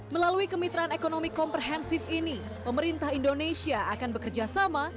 melalui kemitraan ekonomi komprehensif ini pemerintah indonesia akan bekerjasama